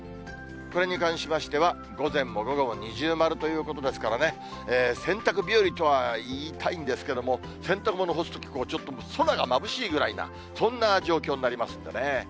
これに関しましては、午前も午後も二重丸ということですからね、洗濯日和とは言いたいんですけれども、洗濯物干すとき、ちょっと空がまぶしいくらいな、そんな状況になりますんでね。